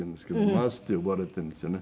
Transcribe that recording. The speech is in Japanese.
マスって呼ばれているんですよね。